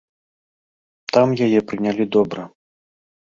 Там яе прынялі добра.